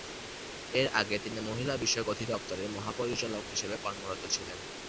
এর আগে তিনি মহিলা বিষয়ক অধিদপ্তরের মহাপরিচালক হিসেবে কর্মরত ছিলেন।